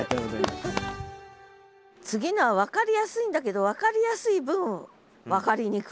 次のは分かりやすいんだけど分かりやすい分分かりにくい。